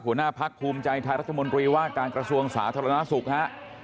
หัวหน้าพักภูมิใจไทยรัฐมนตรีว่าการกระทรวงสาธารณสุขฮะ